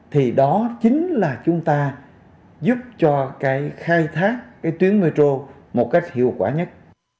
thì đó chính là chúng ta giúp cho khai thác tuyến metro một cách hiệu quả nhất